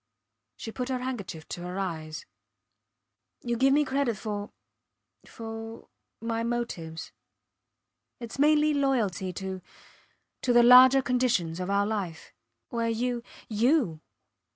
She put her handkerchief to her eyes. Youll give me credit for for my motives. Its mainly loyalty to to the larger conditions of our life where you you!